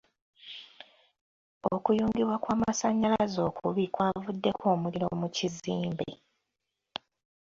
Okuyungibwa kw'amasannyalaze okubi kwavuddeko omuliro mu kizimbe.